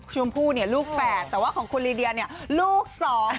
ชมพู่เนี่ยลูกแฝดแต่ว่าของคุณลีเดียเนี่ยลูกสอง